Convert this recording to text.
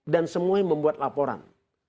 dan semuanya membuat laporan